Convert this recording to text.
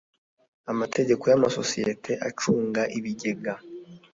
amategeko y amasosiyete acunga ibigega